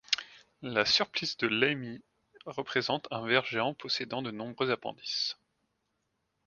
La Surplis de Laimi représente un ver géant possédant de nombreux appendices.